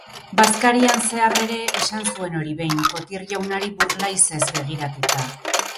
Bazkarian zehar ere esan zuen hori behin, Cottier jaunari burlaizez begiratuta.